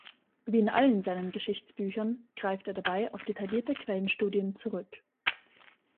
Wie in allen seinen Geschichtsbüchern greift er dabei auf detaillierte Quellenstudien zurück.